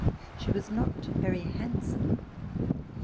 She was not very handsome.